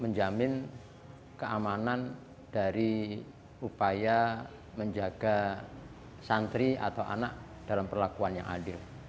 menjamin keamanan dari upaya menjaga santri atau anak dalam perlakuan yang adil